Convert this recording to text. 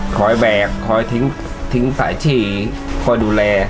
แบกคอยทิ้งสายที่คอยดูแล